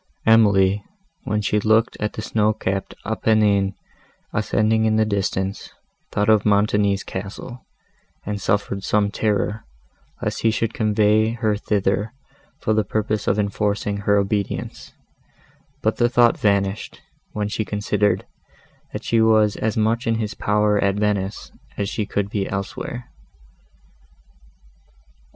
Emily, when she looked at the snow capped Apennines, ascending in the distance, thought of Montoni's castle, and suffered some terror, lest he should convey her thither, for the purpose of enforcing her obedience; but the thought vanished, when she considered, that she was as much in his power at Venice as she could be elsewhere.